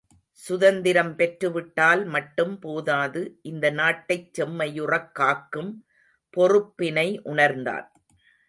சுதந்திரம் பெற்று விட்டால் மட்டும் போதாது இந்த நாட்டைச் செம்மையுறக் காக்கும் பொறுப்பினை உணர்ந்தான்.